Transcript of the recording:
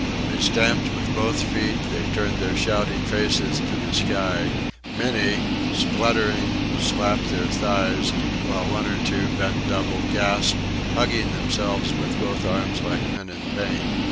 They stamped with both feet; they turned their shouting faces to the sky; many, spluttering, slapped their thighs; while one or two, bent double, gasped, hugging themselves with both arms like men in pain.